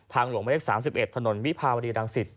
ทางหลวงเมล็ก๓๑ถนนวิพาวรีรังสิต